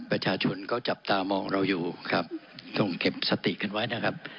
ประชาชนก็จับตามองเราอยู่ครับต้องเก็บสติกันไว้นะครับ